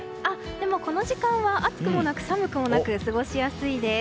でも、この時間は暑くもなく寒くもなく過ごしやすいです。